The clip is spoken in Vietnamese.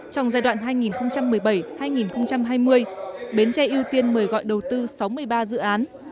trong giai đoạn hai nghìn một mươi bảy hai nghìn hai mươi bến tre ưu tiên mời gọi đầu tư sáu mươi ba dự án